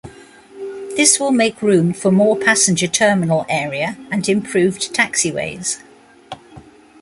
This will make room for more passenger terminal area and improved taxiways.